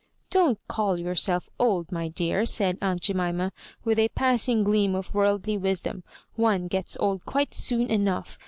" Don't call yourself old, my dear," said aunt Jemima, with a passing gleam of worldly wis dom — ''one gets old quite soon enough.